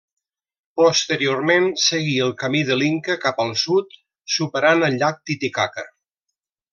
Posteriorment seguí el camí de l'inca cap al sud, superant el llac Titicaca.